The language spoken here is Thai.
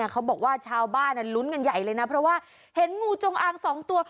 เขาบอกว่าชาวบ้านั้นรุ้นกันใหญ่เลยนะเพราะว่าเห็นงูจงอางสองตัว